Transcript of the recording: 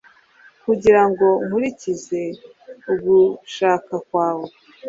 kugira ngo nkurikize ugushaka kwawe